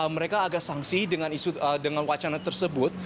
mereka agak sangsi dengan wacana tersebut